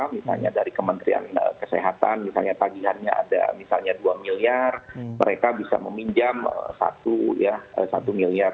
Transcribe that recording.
misalnya dari kementerian kesehatan misalnya tagihannya ada misalnya dua miliar mereka bisa meminjam satu miliar